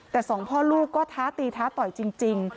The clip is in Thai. แต่สองพ่อลูกก็ท้าตีท้าต่อยจริง